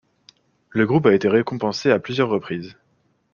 Le groupe a été récompensé à plusieurs reprises.